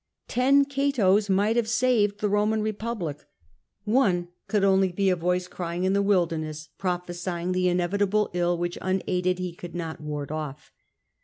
Ten Catos might have saved the Roman Republic ; one could only be a voice crying in the wilderness, prophesying the inevitable ill, which, unaided, he could not ward off.